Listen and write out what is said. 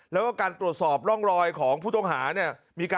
แล้วก็การตรวจสอบร่องรอยของผู้ต้องหาเนี่ย